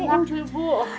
jangan maksul bu